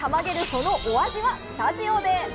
そのお味はスタジオで！